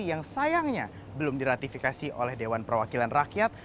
yang sayangnya belum diratifikasi oleh dewan perwakilan rakyat